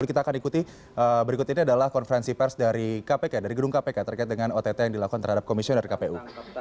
kita akan ikuti berikut ini adalah konferensi pers dari kpk dari gedung kpk terkait dengan ott yang dilakukan terhadap komisioner kpu